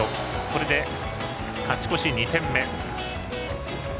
これで勝ち越し２点目。